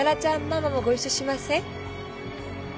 ママもご一緒しません？